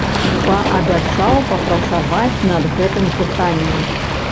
Паабяцаў папрацаваць над гэтым пытаннем.